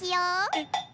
えっ！